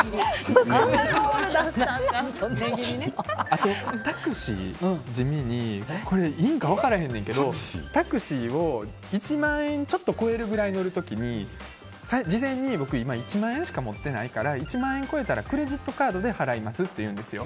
あとタクシー、地味にこれいいんか分からないけどタクシーを１万円ちょっと超えるぐらい乗る時に事前に僕、今１万円しか持ってないから１万円超えたらクレジットカードで払いますって言うんですよ。